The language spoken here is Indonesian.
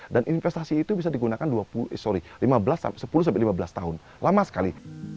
dan investasi itu bisa digunakan sepuluh hingga lima belas tahun lama sekali